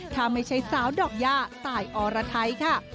ถ้าไม่ใช่สาวดอกย่าตายอรไทยค่ะ